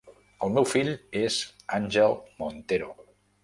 El meu fill és Angel Montero.